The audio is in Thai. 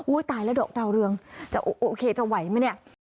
ตายแล้วดอกดาวเรืองจะโอเคจะไหวไหมเนี่ย